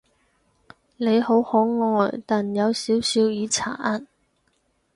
你好可愛，但有少少耳殘